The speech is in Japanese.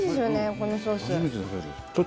このソース。